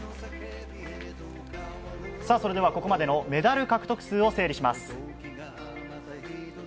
それではここまでのメダル獲得数を整理します。